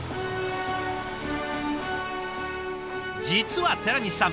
実は寺西さん